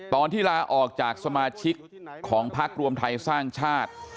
ตอนที่ลาออกจากสมาชิกของพักรวมไทยสร้างชาติ